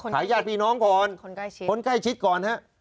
ขายญาติผีน้องก่อนคนใกล้ชิดก่อนครับ